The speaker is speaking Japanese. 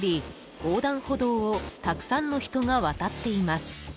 横断歩道をたくさんの人が渡っています。